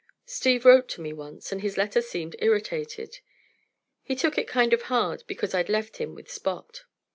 Steve wrote to me once, and his letter seemed irritated. He took it kind of hard because I'd left him with Spot.